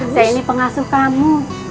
saya ini pengasuh kamu